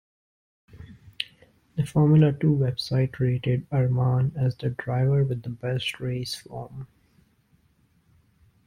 The Formula Two website rated Armaan as the "Driver with the Best Race Form".